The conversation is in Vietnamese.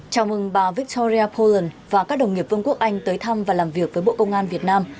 chào mừng bà victoria poland và các đồng nghiệp vương quốc anh tới thăm và làm việc với bộ công an việt nam